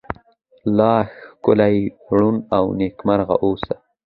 لا ښکلې، ړون، او نکيمرغه اوسه👏